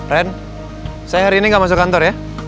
ren saya hari ini gak masuk kantor ya